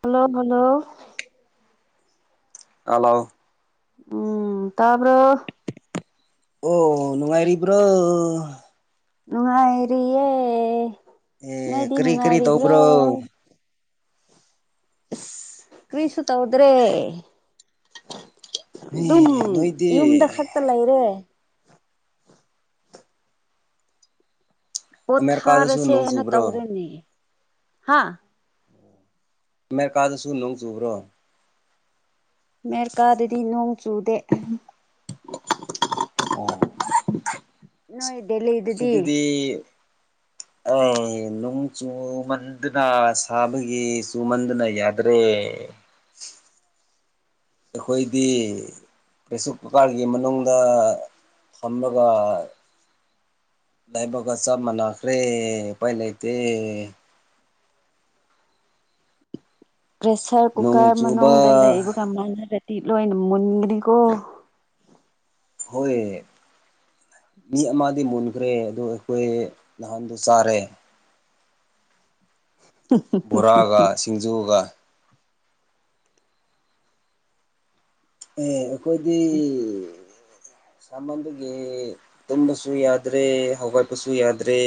Hello hello hello ꯎꯝ ꯇꯕꯥꯔꫭ ꯑꯣꯑ ꯅꯨꯡꯉꯥꯏꯔꯤ ꯕꯔꯣ ꯅꯨꯡꯉꯥꯏꯔꯤꯌꯦ ꯑꯦ ꯅꯪꯗꯤ ꯀꯔꯤ ꯀꯔꯤ ꯅꯨꯡꯉꯥꯏꯔꯤꯕ꯭ꯔꯣ ꯇꯧꯕ꯭ꯔꯣ ꯀ꯭ꯔꯤꯁꯨꯨ ꯇꯧꯗ꯭ꯔꯦ꯫ ꯃꯤ ꯑꯗꯨꯝ ꯅꯣꯏꯗꯤ ꯌꯨꯝꯗꯇꯥ ꯈꯛꯇꯥ ꯂꯩꯔꯦ ꯑꯃꯦꯔꯤꯀꯥꯗꯁꯨ ꯄꯣꯊꯥꯔꯁꯦ ꯅꯣꯡ ꯍꯥꯏꯅ ꯆꯨꯕ꯭ꯔꯣ ꯇꯧꯔꯦꯅꯦ ꯍꯥꯍ ꯑꯃꯦꯔꯤꯀꯥꯗꯁꯨ ꯅꯣꯡ ꯆꯨꯕ꯭ꯔꯣ? ꯑꯃꯦꯔꯤꯀꯥꯗꯗꯤ ꯅꯣꯡꯗꯤ ꯆꯨꯗꯦ꯫ ꯅꯣꯏ ꯁꯤ ꯗꯦꯜꯂꯤꯗꯗꯤ ꯑꯗꯨꯗꯤ ꯑꯦ ꯅꫭꯡ ꯆꯨꯃꯟꯗꯅ ꯁꯥꯕꯒꯤ ꯆꯨꯃꯟꯗꯅ ꯌꯥꯗ꯭ꯔꯦ꯫ ꯎ [unintelligible] ꯑꯩꯈꯣꯏꯒꯤꯗꯤ ꯄ꯭ꯔꯦꯁꯔ ꯀꯨꯀꯥꯔꯒꯤ ꯃꯅꯨꯡꯗ ꯊꯝꯔꯒ ꯂꯩꯕꯥꯒ ꯆꯞ ꯃꯅꯥꯈ ꯔꯦ ꯑꯩꯈꫭ ꯅ ꯂꯩ ꯖꯩ ꯄ꯭ꯔꯦꯁꯔ ꯅꯣꯡ ꯀꯨꯀꯔ ꯆꯨꯕ ꯃꯅꯨꯡꯗ ꯂꯩꯕ ꯃꯥꯟꯅꯔ° ꯀꯤꯂꯣ ꯏꯅ ꯃꯨꯟꯒꯗꯤꯀꯣ ꯍꯣꯏ ꯃꯤ ꯑꯃꯗꯤ ꯃꯨꯟꯈ꯭ꯔꯦ ꯑꯗ ꯑꯩꯈꯣꯏ ꯅꯍꯥꯟꯗꯣ ꯆꯥꯔꯦ ꯕꯣꯔꯥꯒ ꯁꯤꯡꯖꯨꯒ ꯑꯦ ꯑꯩꯈꯣꯏꯗꯤ ꯁꯥꯃꯟꯗꯨꯒꯤ ꯇꯨꯝꯕꯁꯨ ꯌꯥꯗ꯭ꯔꯦ ꯍꯧꯒꯠꯄꯁꯨ ꯌꯥꯗ꯭ꯔꯦ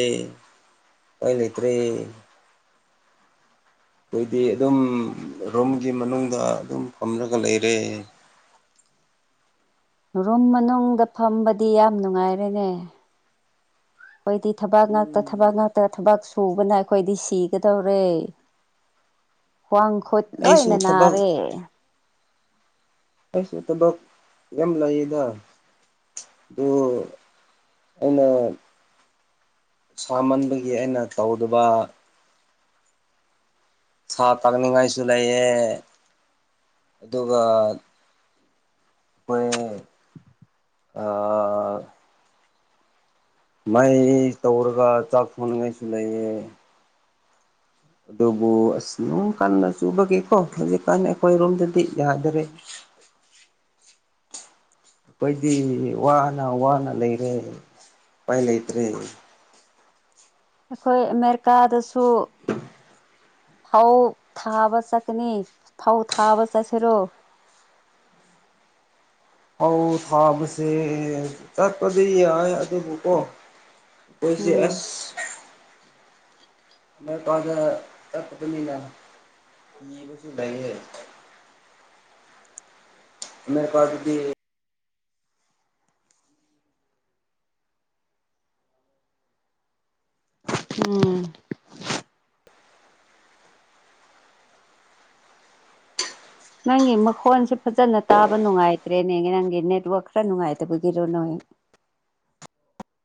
ꯑꯩꯅ ꯊꯦ ꯑꯩꯈꯣꯏꯗꯤ ꯑꯗꯨꯝ ꯔꯨꯝꯒꯤ ꯃꯅꯨꯡꯗ ꯑꯗꯨꯝ ꯐꯝꯂꯒ ꯂꯩꯔꯦ ꯎꯝ ꯔꯨꯝ ꯃꯅꯨꯡꯗ ꯐꯝꯕꯗꯤ ꯌꯥꯝ ꯅꯨꯡꯉꯥꯏꯔꯦꯅꯦ [unintelligible] ꯑꯩꯈꯣꯏꯗꯤ ꯊꯕꯛ ꯉꯥꯛꯇ ꯊꯕꯛ ꯎꯝ ꯉꯥꯛꯇ ꯊꯕꯛ ꯁꯨꯕꯅ ꯑꯩꯈꯣꯏꯗꯤ ꯁꯤꯒꯗꯧꯔꯦ [unintelligible] ꯈ꯭ꯋꯥꯡ ꯈꯨꯠ ꯑꯩꯁꯨ ꯂꯣꯏꯅ ꯊꯕꯛ ꯅꯥꯔꯦ ꯑꯩꯁꯨ ꯊꯕꯛ ꯌꯥꯝ ꯂꯩꯌꯦꯗ ꯑꯗꯨ ꯑꯩꯅ ꯁꯥꯃꯟꯕꯒꯤ ꯑꯩꯅ ꯇꯧꯗꯕ ꯁꯥ ꯇꯥꯛꯅꯤꯡꯉꯥꯏꯁꯨ ꯂꯩꯌꯦ ꯑꯗꯨꯒ ꯑꯩꯣꯏ ꯑ ꯃꯩ ꯇꯧꯔꯒ ꯆꯥꯛ ꯊꯣꯡꯅꯤꯡꯉꯥꯏꯁꯨ ꯂꯩꯌꯦ ꯑꯗꯨꯕꯨ ꯑꯁ ꯑꯗꯨꯝ ꯀꯟꯅ ꯆꯨꯕꯒꯤꯦꯀꯣ ꯍꯧꯖꯤꯛꯀꯥꯟ ꯑꯩꯈꯣꯏꯔꯣꯝꯗꯗꯤ ꯌꯥꯗꯔꯦ [unintelligible] ꯑꯩꯈꯣꯏꯗꯤ ꯋꯥꯅ ꯋꯥꯅ ꯂꯩꯔꯦ ꯎꯄꯥꯏ ꯂꯩꯇ꯭ꯔꯦ ꯑꯩꯈꯣꯏ ꯑꯃꯦꯔꯤꯀꯥꯗꯁꯨ ꯐꯧ ꯊꯥꯕ ꯆꯠꯀꯅꯤ ꯐꯧ ꯊꯥꯕ ꯆꯠꯁꯤꯔꯣ ꯎꯝ ꯑꯥꯎ ꯊꯥꯕꯁꯦ ꯆꯠꯄꯗꯤ ꯌꯥꯏ ꯑꯗꯨꯕꯨꯀꯣ ꯀꯣꯏꯁ ꯎꯝ ꯑꯁ ꯃ ꯇꯗ ꯑꯦꯄ ꯃꯤꯁꯨ ꯂꯩꯌꯦ ꯑꯃꯦꯔꯤꯀꯥ ꯑꯗꯨꯗꯤ ꯎꯝ ꯅꯪꯒꯤ ꯃꯈꯣꯟꯁꯦ ꯐꯖꯅ ꯇꯥꯕ ꯅꯨꯡꯉꯥꯏꯇ꯭ꯔꯦꯅꯦ ꯅꯪꯒꯤ ꯅꯦꯠꯋꯛ ꯈꯔ ꯅꯨꯡꯉꯥꯏꯇꯕꯒꯤꯔꯣ ꯅꯪ [unintelligible]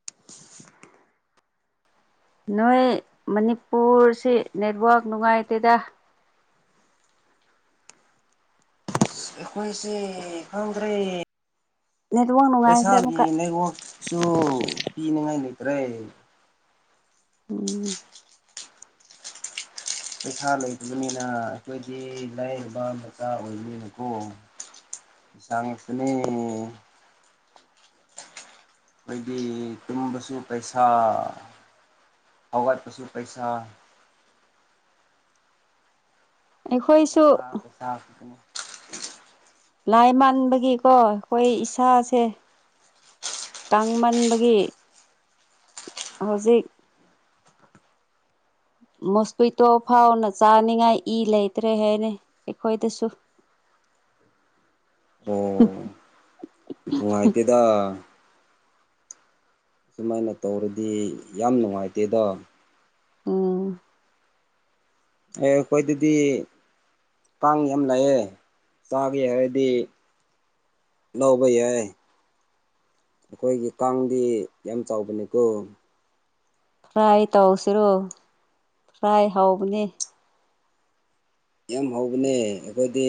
[unintelligible] ꯅꯣꯏ ꯃꯅꯤꯄꯨꯔꯁꯤ ꯅꯦꯠꯋꯥꯛ ꯅꯨꯡꯉꯥꯏꯇꯦꯗ ꯑꯩꯈꯣꯏꯁꯦ ꯈꯪꯗ꯭ꯔꯦ ꯅꯦꯠꯋꯥꯛ ꯅꯨꯡꯉꯥꯏꯈ꯭ꯔꯦ ꯄꯩꯁꯥꯒꯤ ꯑꯃꯨꯛꯀ ꯅꯦꯛꯋꯥꯛꯁꯨ ꯄꯤꯅꯤꯡꯉꯥꯏ ꯂꯩꯇ꯭ꯔꯦ ꯎꯝ ꯄꯩꯁꯥ ꯂꯩꯇꯕꯅꯤꯅ ꯑꯩꯈꯣꯏꯗꯤ ꯂꯥꯏꯔꯕ ꯃꯆꯥ ꯑꯣꯏꯕꯅꯤꯅꯀꯣ ꯁꯒꯅꯤ ꯑꯩꯈꯣꯏꯗꯤ ꯇꯨꯝꯕꯁꯨ ꯄꯩꯁꯥ ꯑꯋꯥꯠ ꯄꯁꯨ ꯄꯩꯁꯥ ꯑꯩꯈꯣꯏꯁꯨ ꯄꯩꯁꯥ ꯄꯩꯁꯥꯅꯤ ꯂꯥꯏ ꯃꯥꯟꯕꯒꯤꯀꯣ ꯑꯩꯈꯣꯏ ꯏꯁꯥꯁꯦ ꯇꯥꯡ ꯃꯟꯕꯒꯤ ꯍꯧꯖꯤꯛ ꯃꯣꯁꯄꯤꯇꯣ ꯐꯥꯎꯅ ꯆꯥꯅꯤꯡꯉꯥꯏ ꯏ ꯂꯩꯇ꯭ꯔꯦ ꯍꯥꯏꯅ ꯑꯩꯈꯣꯏꯗꯁꯨ [unintelligible] ꯎ ꯅꯨꯉꯥꯏꯇꯦꯗꯥ ꯁꯨꯃꯥꯏꯅ ꯇꯧꯔꯗꯤ ꯌꯥꯝ ꯅꯨꯡꯉꯥꯏꯇꯦꯗ ꯑꯝ ꯑꯦ ꯑꯩꯈꯣꯏ ꯗꯗꯤ ꯀꯥꯡ ꯌꯥꯝ ꯂꯥꯛꯑꯦ ꯆꯥꯒꯦ ꯍꯥꯏꯔꯗꯤ ꯂꯧꯕ ꯌꯥꯏ ꯑꯩꯈꯣꯏꯒꯤ ꯀꯥꯡꯗꯤ ꯌꯥꯝ ꯆꯥꯎꯕꯅꯤꯀꯣ ꯐ꯭ꯔꯥꯏ ꯇꯧꯁꯤꯔꯣ ꯐ꯭ꯔꯥꯏ ꯍꯧꯕꯅꯦ ꯌꯥꯝ ꯍꯧꯕꯅꯦ ꯑꯩꯈꯣꯏꯗꯤ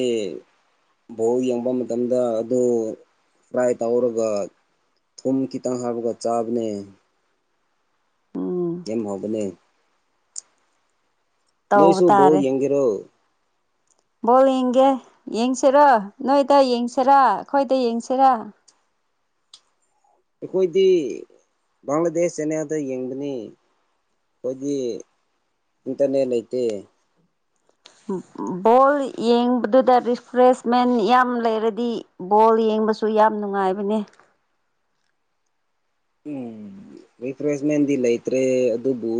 ꯚꯣꯜ ꯌꯦꯡꯕ ꯃꯇꯝꯗ ꯑꯗꯨ ꯐ꯭ꯔꯥꯏ ꯇꯧꯔꯒ ꯊꯨꯝ ꯈꯤꯇꯪ ꯍꯥꯕꯒ ꯆꯥꯕꯅꯦ ꯎꯝ ꯌꯥꯝ ꯍꯥꯎꯕ ꯅꯦ ꯇꯧꯕ ꯅꯩꯁꯨꯨꯕꯣ ꯚꯣꯜ ꯇꯥꯔꯦ ꯌꯦꯡꯒꯦꯔꯣ ꯕꯣꯜ ꯌꯦꯡꯒꯦ ꯌꯦꯡꯁꯤꯔꯣ ꯅꯣꯏꯗ ꯌꯦꯡꯁꯤꯔꯥ ꯑꯩꯈꯣꯏꯗ ꯌꯦꯡꯁꯤꯔꯥ [inaudible] ꯑꯩꯈꯣꯏꯗꯤ ꯕꯪꯒ꯭ꯂꯥꯗꯦꯁ ꯆꯅꯥꯜꯗ ꯌꯦꯡꯕꯅꯤ ꯑꯩꯈꯣꯏꯗꯤ ꯏꯟꯇꯔꯅꯦꯠ ꯂꯩꯇꯦ ꯕꯣꯜ ꯌꯦꯡꯕꯗꯨꯗ ꯔꯤꯐ꯭ꯔꯦꯁꯃꯦꯟ ꯌꯥꯝ ꯂꯩꯔꯗꯤ ꯕꯣꯜ ꯌꯦꯡ ꯕꯁꯨ ꯌꯥꯝ ꯅꯨꯡꯉꯥꯏꯕꯅꯦ ꯎꯝ ꯔꯤꯐ꯭ꯔꯦꯁꯃꯦꯟꯗꯤ ꯂꯩꯇ꯭ꯔꯦ ꯑꯗꯨꯕꯨ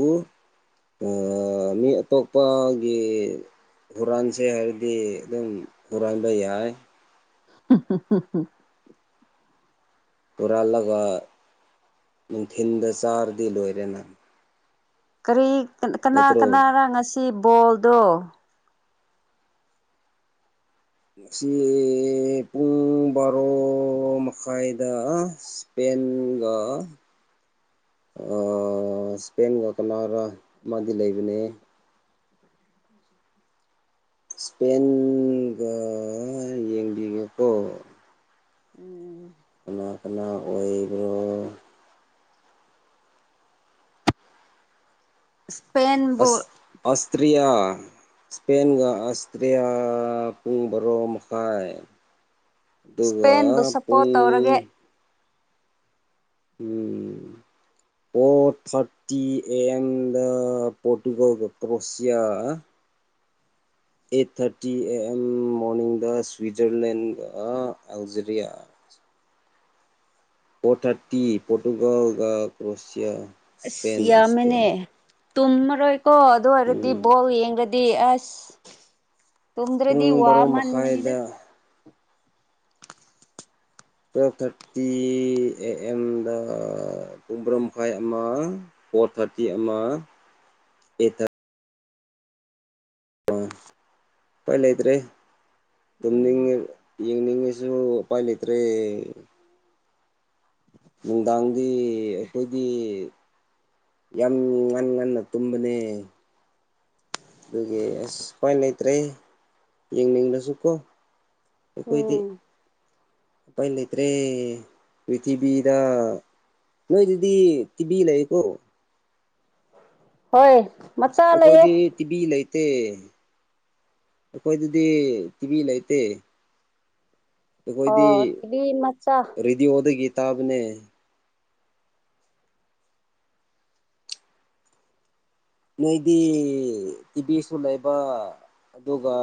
ꯃꯤ ꯑꯇꯣꯞꯄꯒꯤ ꯍꯨꯔꯥꯟꯁꯦ ꯍꯥꯏꯔꯗꯤ ꯑꯗꯨꯝ ꯍꯨꯔꯥꯟꯕ ꯌꯥꯏ [inaudible] ꯄꯨꯨꯔꯜꯂꯒ ꯅꯨꯡꯊꯤꯟꯗ ꯆꯥꯔꯗꯤ ꯂꯣꯏꯔꯦ ꯅ ꯀꯔꯤ ꯀꯅꯥ ꯀꯅꯥꯅ ꯉꯁꯤ ꯕꯣꯜꯗꯣ ꯉꯁꯤ ꯄꯨꯡ ꯕꯥꯔꯣ ꯃꯈꯥꯏꯗ ꯇꯦꯡꯒ ꯏꯁꯄꯦꯟꯒ ꯀꯔꯣ ꯃꯥꯗꯤ ꯂꯩꯕꯅꯦ ꯁꯄꯦꯟꯒ ꯌꯦꯡꯕꯤꯉꯦꯀꯣ ꯀꯅꯥ ꯀꯅꯥ ꯑꯣꯏꯕ꯭ꯔꯣ ꯏꯁꯄꯦꯟꯕꯨꯜ ꯄ꯭ꯔꯌꯥ ꯏꯁꯄꯦꯟꯒ ꯑꯁꯇ꯭ꯔꯌꯥ ꯄꯨꯡ ꯣꯔꯣꯝ ꯍꯥꯏꯥꯏ ꯑꯗꯨꯒꯗꯨꯋꯥ ꯏꯁꯄꯦꯟꯕꯨ ꯁꯞꯄꯣꯔꯠ ꯇꯧꯔꯒꯦ ꯄꯨꯡ ꯎꯝ ꯄ thirty and Portugal Croatia eight thirty A M ꯃꯣꯔꯅꯤꯡꯗ ꯁ꯭ꯋꯤꯖꯔꯂꯦꯟ ꯑꯜꯖꯦꯔꯤꯌꯥ ꯑ ꯄꯊꯥꯇꯤ ꯄꯣꯇꯨꯒꯜ ꯀ꯭ꯔꯣꯁꯤꯌꯥ ꯑꯁ ꯁ꯭ꯄꯦꯟ ꯑꯁꯇ꯭ꯔꯤꯌꯥ ꯌꯥꯝꯃꯦꯅꯦ ꯇꯨꯝꯃꯔꯣꯏꯀꯣ ꯑꯗꯨ ꯑꯣꯏꯔꯗꯤ ꯎꯝ ꯕꯣ ꯌꯦꯡ꯭ꯔꯗꯤ ꯗꯤ ꯑꯁ ꯄꯨꯡ ꯇꯣꯗ꯭ꯔꯗꯤ ꯋꯥ ꯕꯥꯔꯣ ꯃꯥꯅꯤꯒꯅꯤ ꯃꯈꯥꯏꯗ ꯏꯗꯔ ꯇꯨꯌꯦꯜꯚ ꯊꯥꯔꯇꯤ ꯑꯦ ꯑꯗ ꯎꯕ꯭ꯔꯝ ꯐꯥꯏ ꯑꯃ ꯐꯣꯔ ꯊꯥꯔꯇꯤ ꯑꯃ ꯑꯩꯠ ꯊꯥꯔ ꯄꯣꯏꯂꯗ꯭ꯔꯤ ꯎꯝ ꯇꯨꯝꯅꯤꯡꯉꯤ ꯌꯦꯡꯅꯤꯡꯉꯤꯁꯨ ꯎꯄꯥꯏ ꯂꯩꯇ꯭ꯔꯦ ꯅꯨꯡꯗꯥꯡꯗꯤ ꯑꯩꯈꯣꯏꯗꯤ ꯌꯥꯝ ꯉꯟꯅ ꯉꯟꯅ ꯇꯨꯝꯕꯅꯦ ꯑꯗꯨꯒꯤ ꯑꯁ ꯁꯃꯥꯏ ꯂꯩꯇ꯭ꯔꯦ ꯌꯦꯡꯅꯤꯡꯂꯁꯨ ꯀꯣ ꯀꯀꯣꯏꯗꯤ ꯎꯝ ꯂꯩꯇ꯭ꯔꯦ ꯄ꯭ꯔꯤꯊꯤꯕꯤꯗ ꯅꯣꯏꯤꯗꯤ ꯇꯤꯕꯤꯤ ꯂꯩꯀꯣ ꯍꯣꯏ ꯃꯆꯥ ꯂꯩꯌꯦ ꯑꯩꯈꯣꯏꯗꯤ ꯇꯤꯕꯤ ꯂꯩ ꯠꯇꯦ ꯑꯩꯈꯣꯏꯗꯗꯤ ꯇꯤꯚ ꯂꯩꯇꯦ ꯑꯩꯈꯣꯏꯗꯤ ꯑꯣ ꯇꯤꯚꯤ ꯃꯆꯥ ꯔꯦꯗꯤꯑꯣꯗꯒꯤ ꯇꯥꯕꯅꯦ ꯅꯣꯏꯗꯤ ꯇꯤꯚꯤꯁꯨ ꯂꯩꯕ ꯑꯗꯨꯒ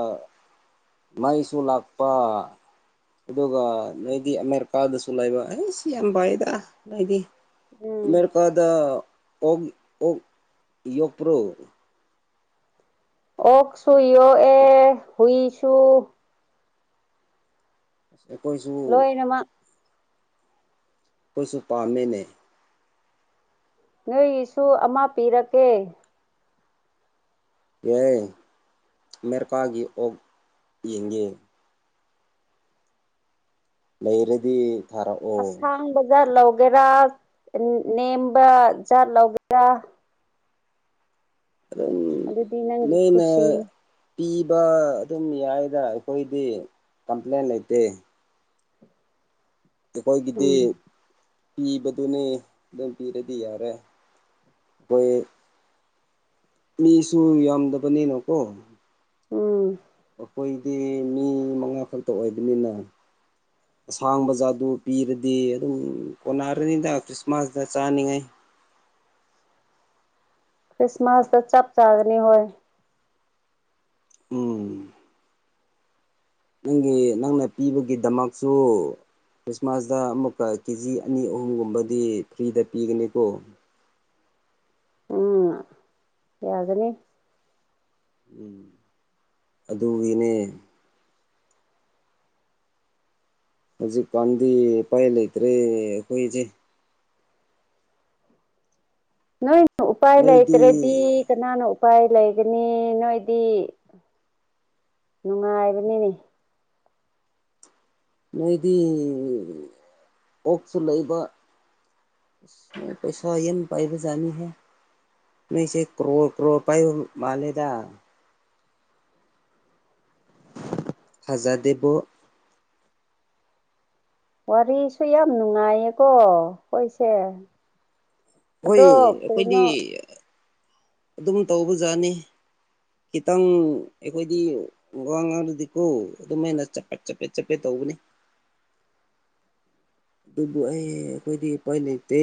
ꯃꯩꯁꯨ ꯂꯥꯛꯄ ꯑꯗꯨꯒ ꯅꯣꯏꯗꯤ ꯑꯃꯦꯔꯤꯀꯥꯗꯁꯨ ꯂꯩꯕ ꯑꯩ ꯁꯤ ꯌꯥꯝ ꯚꯏꯥꯏꯗ ꯅꯣꯏꯗꯤ ꯎꯝ ꯑꯃꯦꯔꯤꯀꯥꯗ ꯑꯣꯛ ꯑꯣꯛ ꯌꯣꯄ꯭ꯔꯣ ꯑꯣꯁꯨꯨ ꯌꯣ ꯑꯦ ꯍꯨꯏꯁꯨ ꯑꯩꯈꯣꯏꯁꯨ ꯂꯣꯏꯅꯃꯛ ꯄꯁꯨꯄꯥꯝꯦꯅꯦ ꯅꯣꯏꯁꯨ ꯑꯃ ꯄꯤꯔꯛꯀꯦ ꯑꯦꯏ ꯃꯦꯔꯤꯀꯥꯒꯤ ꯑꯣꯛ ꯌꯦꯡꯉꯦ ꯂꯩꯔꯗꯤ ꯊꯥꯔꯛꯑꯣ ꯑꯁꯥꯡꯕꯖꯥ ꯂ ꯒꯦꯔꯥ ꯅꯦꯝꯕ ꯖꯥꯠ ꯂꯧꯒꯦꯔꯥ ꯑꯗꯨꯗꯤ ꯅꯪꯒꯤ ꯃꯩꯅ ꯈꯨꯁꯤꯅꯤ ꯄꯤꯕ ꯑꯗꯨꯝ ꯌꯥꯏꯅ ꯑꯩꯈꯣꯏꯗꯤ ꯀꯝꯄ꯭ꯂꯦꯟ ꯂꯩꯇꯦ ꯀꯣꯏ ꯀꯗꯤ ꯎꯝ ꯄꯤꯕꯗꯨꯅꯤ ꯑꯗꯨꯝ ꯄꯤꯔꯗꯤ ꯌꯥꯔꯦ ꯑꯩꯈꯣꯏ ꯃꯤꯁꯨ ꯌꯥꯝꯗꯕꯅꯤꯅꯣꯀꯣ ꯎꯝ ꯑꯩꯈꯣꯏꯗꯤ ꯃꯤ ꯃꯉꯥ ꯈꯛꯇ ꯑꯣꯏꯕꯅꯤꯅ ꯑꯁꯥꯡꯕ ꯖꯥ ꯑꯗꯨ ꯄꯤꯔꯗꯤ ꯑꯗꯨꯝ ꯀꯣꯟꯅꯔꯅꯤꯅ ꯈ꯭ꯔꯤꯁꯃꯥꯁꯇ ꯆꯥꯅꯤꯡꯉꯥꯏ [inaudible] ꯀ꯭ꯔꯤꯁꯃꯁꯗ ꯆꯞꯄ ꯆꯥꯒꯅꯤ ꯍꯣꯏ ꯎꯝ ꯅꯪꯒꯤ ꯅꯪꯅ ꯄꯤꯕꯒꯤꯗꯃꯛꯁꯨ ꯈ꯭ꯔꯤꯁꯃꯥꯁꯇ ꯑꯃꯨꯛꯀ ꯀꯦꯖꯤ ꯑꯅꯤ ꯑꯍꯨꯝꯒꯨꯝꯕꯗꯤ ꯐ꯭ꯔꯤꯗ ꯄꯤꯒꯅꯤꯀꯣ ꯎꯝ ꯌꯥꯒꯅꯤ ꯎꯝ ꯑꯗꯨꯒꯤꯅꯦ ꯍꯧꯖꯤꯛ ꯀꯥꯟꯗꯤ ꯄꯥꯏ ꯂꯩꯇ ꯔꯦ ꯍꯣꯏꯆꯦ ꯅꯣꯏ ꯎꯄꯥꯏ ꯅꯣꯏꯗꯤ ꯂꯩꯇ꯭ꯔꯦꯗꯤ ꯀꯅꯥꯅꯣ ꯎꯄꯥꯏ ꯂꯩꯒꯅꯤ ꯅꯣꯏꯗꯤ ꯅꯨꯡꯉꯥꯏꯕꯅꯤꯅꯦ ꯅꯣꯏꯗꯤ ꯑꯣꯛꯁꯨ ꯂꯩꯕ ꯄꯩꯁꯥ ꯅ ꯄꯥꯏꯕꯖꯅꯤ ꯍꯥꯏ ꯅꯁꯦ ꯀ꯭ꯔꯣ ꯀ꯭ꯔꯣ ꯄꯥꯏ ꯃꯥꯂꯦꯗ ꯐꯖꯥꯗꯦꯕ ꯋꯥꯔꯤꯁꯨ ꯌꯥꯝ ꯅꯨꯡꯉꯥꯏꯌꯦꯀꯣ ꯍꯣꯏꯁꯦ ꯍꯣꯏ ꯑꯗꯣ ꯑꯩꯈꯣꯏꯗꯤ ꯀꯩꯅꯣ ꯑꯗꯨꯝ ꯇꯧꯕꯖꯥꯠꯅꯤ ꯈꯤꯇꯪ ꯑꯩꯈꯣꯏꯗꯤ ꯋꯥ ꯉꯥꯡꯗꯗꯤꯀꯣ ꯑꯗꯨꯝꯍꯦꯅ ꯆꯄꯦꯠ ꯆꯞꯄꯦꯠ ꯆꯞꯄꯦꯠ ꯇꯧꯕꯅꯤ [inaudible] ꯕꯨ ꯑ ꯄꯣꯏꯗꯤ ꯄ ꯂꯩꯠꯇ